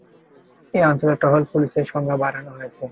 এ অঞ্চলে টহল পুলিশের সংখ্যা বাড়ানো হয়েছে।